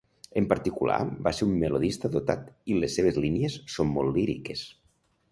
En particular, va ser un melodista dotat, i les seves línies són molt líriques.